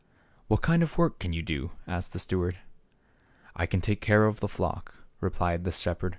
" What kind of work can you do ?" asked the steward. " 1 can take care of the flock," replied the shepherd.